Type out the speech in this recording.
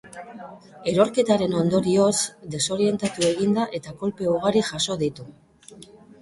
Erorketaren ondorioz, desorientatu egin da eta kolpe ugari jaso ditu.